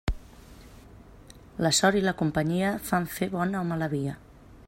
La sort i la companyia fan fer bona o mala via.